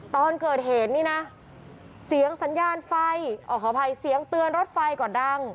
ตอนเกิดเหตุนี่นะเสียงสัญญาณไฟขออภัยเสียงเตือนรถไฟก่อนดัง